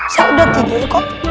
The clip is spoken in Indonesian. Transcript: saya udah tidur kok